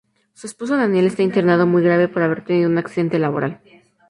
Su esposo Daniel está internado muy grave por haber tenido un accidente laboral.